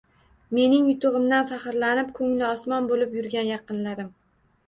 Mening yutug‘imdan faxrlanib, ko‘ngli osmon bo‘lib yurgan yaqinlarim